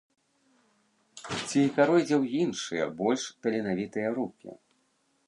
Ці пяройдзе ў іншыя, больш таленавітыя рукі.